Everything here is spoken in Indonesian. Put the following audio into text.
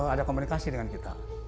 ada komunikasi dengan kita